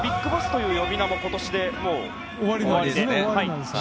ＢＩＧＢＯＳＳという呼び名も、今年で終わりで。